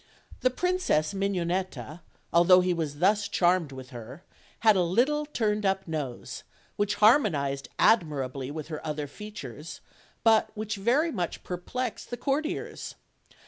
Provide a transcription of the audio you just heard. The Princess Mignonetta, although he was thus charmed with her, had a little turned up nose^which harmonized admirably with OLD, OLD FAIRY TALES. 279 her other features, but which very much perplexed the courtiers.